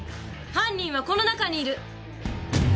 犯人はこの中にいる！